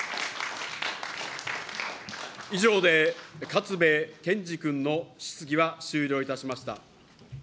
以上で勝部賢志君の質疑は終了いたしました。